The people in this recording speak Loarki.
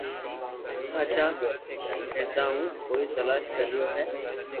ھاچا ھردا مون ڪوئي تلاݾ ڪريو ھي